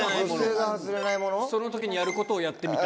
その時にやることをやってみた。